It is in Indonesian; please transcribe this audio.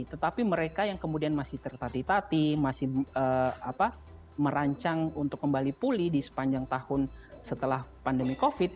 tetapi mereka yang kemudian masih tertati tati masih merancang untuk kembali pulih di sepanjang tahun setelah pandemi covid